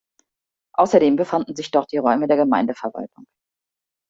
Außerdem befanden sich dort die Räume der Gemeindeverwaltung.